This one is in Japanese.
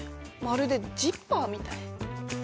まるでジッパーみたい。